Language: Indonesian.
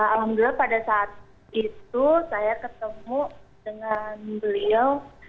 alhamdulillah pada saat itu saya ketemu dengan beliau